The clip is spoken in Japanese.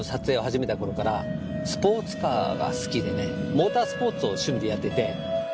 モータースポーツを趣味でやってて。